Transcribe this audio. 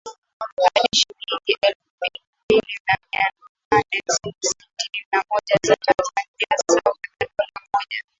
hadi shilingi elfu mbili mia nane sitini na moja za Tanzania sawa na dola mmoja